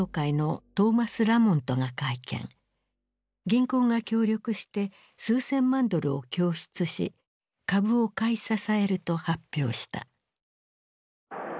銀行が協力して数千万ドルを供出し株を買い支えると発表した。